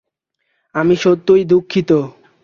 আমি সত্যিই দুঃখিত।